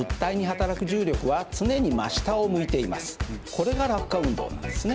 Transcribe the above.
これが落下運動なんですね。